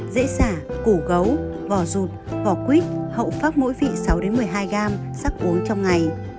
dễ sả củ gấu vỏ rụt vỏ quýt hậu pháp mỗi vị sáu một mươi hai g sắc uống trong ngày